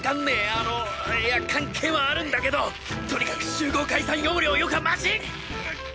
あのいやカンケーはあるんだけどとにかく集合解散要領よかマシッ！